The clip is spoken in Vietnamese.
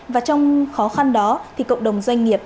và trong khó khăn đó thì cộng đồng doanh nghiệp